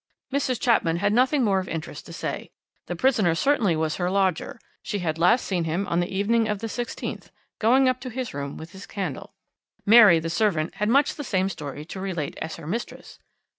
"Mrs. Chapman had nothing more of interest to say. The prisoner certainly was her lodger. She had last seen him on the evening of the 16th going up to his room with his candle. Mary the servant had much the same story to relate as her mistress.